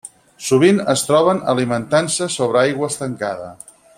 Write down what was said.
Sovint es troben alimentant-se sobre aigua estancada.